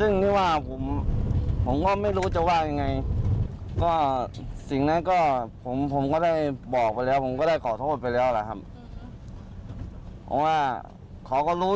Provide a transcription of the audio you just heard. สิ่งนั้นก็ผมก็ได้บอกไปแล้วผมก็ได้ขอโทษไปแล้วแหละครับ